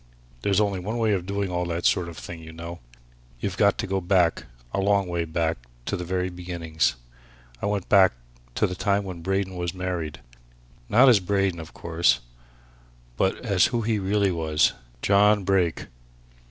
There's only one way of doing all that sort of thing, you know. You've got to go back a long way back to the very beginnings. I went back to the time when Braden was married. Not as Braden, of course but as who he really was John Brake.